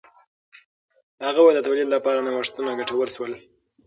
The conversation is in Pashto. هغه وویل د تولید لپاره نوښتونه ګټور شول.